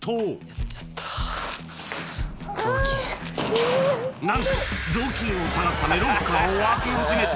やっちゃった何と雑巾を探すためロッカーを開け始めた！